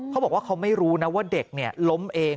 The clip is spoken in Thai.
เขาบอกว่าเขาไม่รู้นะว่าเด็กล้มเอง